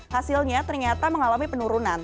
hasilnya ternyata mengalami penurunan